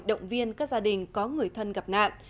động viên các gia đình có người thân gặp nạn